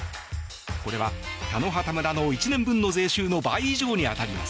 これは、田野畑村の１年分の税収の倍以上にも上ります。